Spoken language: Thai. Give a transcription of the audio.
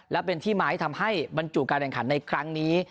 และเป็นที่มาที่ทำให้บรรจุการแข่งขันในครั้งนี้